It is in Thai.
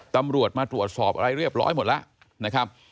ตำรวจมาตรวจสอบทุกเรื่องเรียบร้อยหมดละนะครับ